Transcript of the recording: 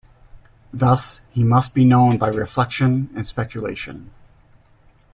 Thus, He must be known by reflection and speculation.